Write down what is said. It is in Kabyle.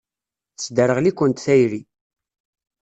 Tesderɣel-ikent tayri.